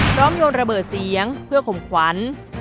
โยนระเบิดเสียงเพื่อข่มขวัญ